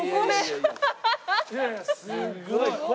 すごい米。